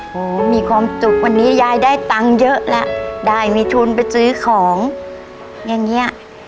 โหมีความสุขวันนี้ยายได้ตังค์เยอะแล้วได้มีทุนไปซื้อของอย่างเงี้ย